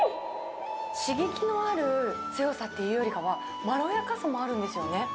刺激のある強さっていうよりかは、まろやかさもあるんですよね。